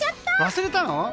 忘れたの？